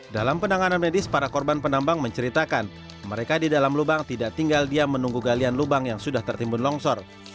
dalam penanganan medis para korban penambang menceritakan mereka di dalam lubang tidak tinggal diam menunggu galian lubang yang sudah tertimbun longsor